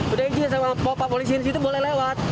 udah izin sama bapak polisi disitu boleh lewat